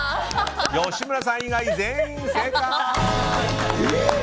吉村さん以外、全員正解！